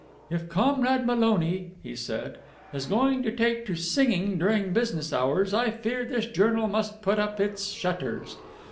"If Comrade Maloney," he said, "is going to take to singing during business hours, I fear this journal must put up its shutters.